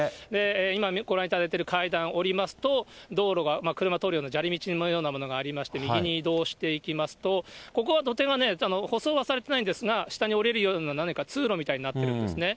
今、ご覧いただいてる階段下りますと、道路が、車通るような砂利道のようなものがありまして、右に移動していきますと、ここは土手が舗装はされていないんですが、下に下りるような、何か通路みたいになってるんですね。